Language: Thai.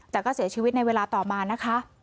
แต่ก็เสียชีวิตในเวลาต่อมานะคะ